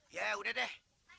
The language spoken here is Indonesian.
ya udah deh